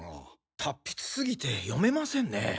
達筆すぎて読めませんねえ。